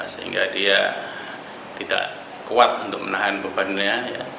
sehingga dia tidak kuat untuk menahan beban dia